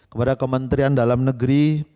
kepada kementerian dalam negeri